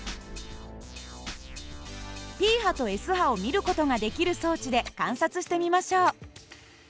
Ｐ波とＳ波を見る事ができる装置で観察してみましょう。